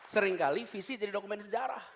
seringkali visi jadi dokumen sejarah